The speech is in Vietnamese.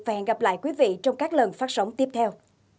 và hẹn gặp lại quý vị trong các lần phát sóng tiếp theo